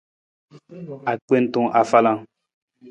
Agbenta afalang.